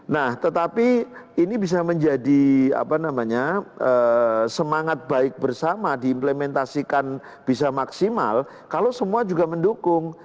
nah tetapi ini bisa menjadi semangat baik bersama diimplementasikan bisa maksimal kalau semua juga mendukung